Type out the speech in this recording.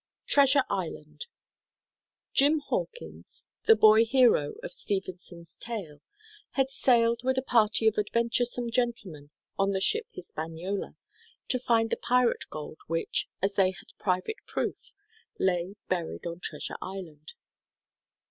TREASURE ISLAND Jim Hawkins, the boy hero of Stevenson's tale, had sailed with a party of adventuresome gentlemen on the ship Hispaniola, to find the pirate gold which, as they had private proof, lay buried on Treasure Island.